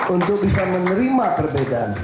untuk bisa menerima perbedaan